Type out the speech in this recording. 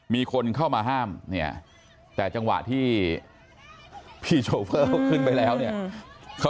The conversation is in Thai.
มีคนเข้ามาห้ามเนี่ยแต่จังหวะที่พี่โชเฟอร์เขาขึ้นไปแล้วเนี่ย